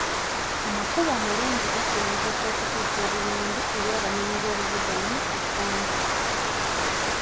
Amakubo amalungi gasobozesa okutuusa obuyambi eri abanoonyiboobubuddamu okwangu.